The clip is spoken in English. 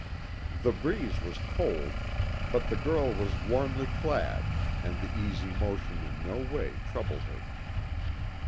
The breeze was cold, but the girl was warmly clad and the easy motion in no way troubled her.